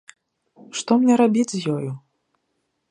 Што мне рабіць з ёю?